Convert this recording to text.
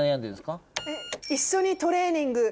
一緒にトレーニング。